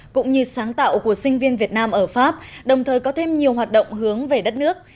cũng như sáng tạo của sinh viên việt nam ở pháp đồng thời có thêm nhiều hoạt động hướng về đất nước